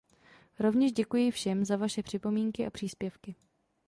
Rovněž děkuji všem za vaše připomínky a příspěvky.